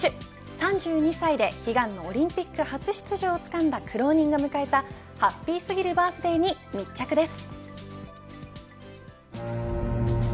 ３２歳で悲願のオリンピック初出場をつかんだ苦労人が迎えたハッピーすぎるバースデーに密着です。